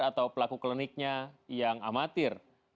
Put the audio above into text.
atau pelaku kliniknya yang amatir